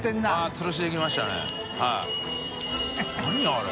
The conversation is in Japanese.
あれ。